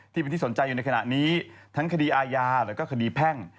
ที่เป็นที่สนใจอยู่ในขณะนี้ทั้งคดีอาญาแล้วก็คดีแพ่ง